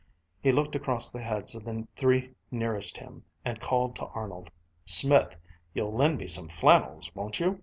He looked across the heads of the three nearest him and called to Arnold: "Smith, you'll lend me some flannels, won't you?